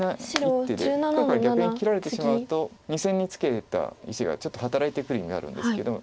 黒から逆に切られてしまうと２線にツケた石がちょっと働いてくる意味あるんですけども。